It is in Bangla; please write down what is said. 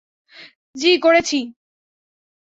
জি, করেছি।